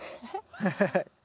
ハハハッ。